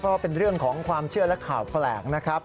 เพราะว่าเป็นเรื่องของความเชื่อและข่าวแปลกนะครับ